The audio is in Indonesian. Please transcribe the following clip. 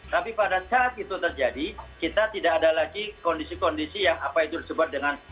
tapi pada saat itu terjadi kita tidak ada lagi kondisi kondisi yang apa itu disebut dengan